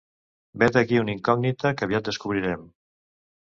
Vet aquí una incògnita que aviat descobrirem.